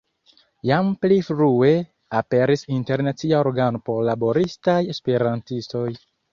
Jam pli frue aperis internacia organo por laboristaj Esperantistoj.